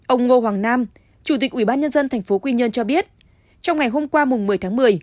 ông ngô hoàng nam chủ tịch ủy ban nhân dân thành phố quy nhơn cho biết trong ngày hôm qua một mươi tháng một mươi